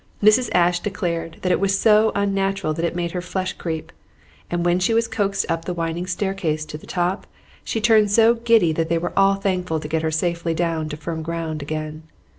Mrs. Ashe declared that it was so unnatural that it made her flesh creep; and when she was coaxed up the winding staircase to the top, she turned so giddy that they were all thankful to get her safely down to firm ground again.